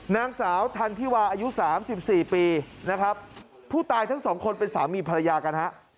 นางสาวทันธิวาอายุสามสิบสี่ปีนะครับผู้ตายทั้งสองคนเป็นสามีภรรยากันฮะ